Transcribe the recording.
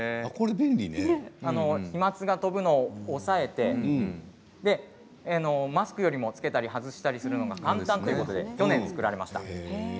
飛まつを飛ぶのを抑えてマスクよりも着けたり外したりするより簡単ということで去年、作られました。